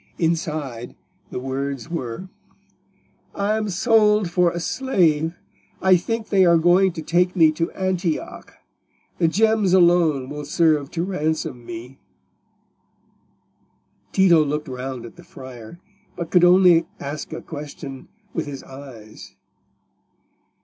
Inside, the words were— "I am sold for a slave: I think they are going to take me to Antioch. The gems alone will serve to ransom me." Tito looked round at the friar, but could only ask a question with his eyes.